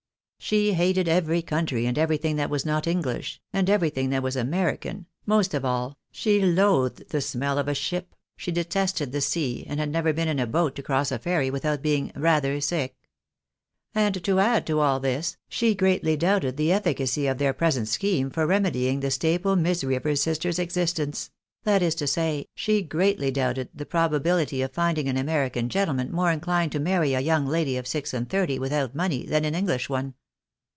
She hated every country 28 THE BAENABTS IN AMERICA. and everything that was not English, and everything that was American, most of all she loathed the smell of a ship, she detested the sea, and had never been in a boat to cross a ferry without being rather sick. And to add to all this, she greatly donbted the efficacy of their present scheme for remedying the staple misery of her sister's existence, that is to say, she greatly doubted the probability of finding an American gentleman more inclined to marry a young lady of six and thirty without money than an English one.